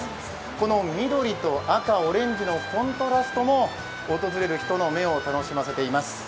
この緑と赤、オレンジのコントラストも訪れる人の目を楽しませています。